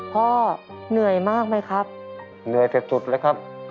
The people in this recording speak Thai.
พ่อเหนื่อยมากไหมครับเหนื่อยแต่สุดเลยครับ